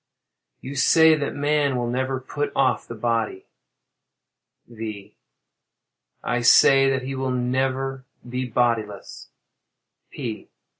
You say that man will never put off the body? V. I say that he will never be bodiless. _P.